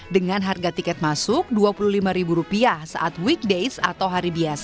dengan harga tiket masuk rp dua puluh lima saat weekdays atau hari biasa dan rp tiga puluh lima saat weekend atau akhir pekan